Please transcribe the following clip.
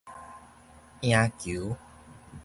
贏球